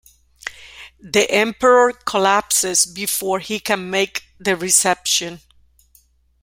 The Emperor collapses before he can make the reception.